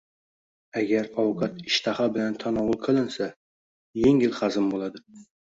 Agar ovqat ishtaha bilan tanovul qilinsa, yengil hazm bo‘ladi.